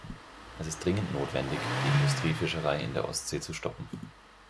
Es ist dringend notwendig, die Industriefischerei in der Ostsee zu stoppen.